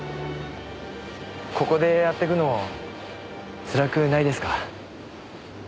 ここでやっていくのつらくないですか？